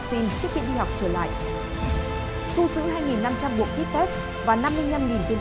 xin kính chào quý vị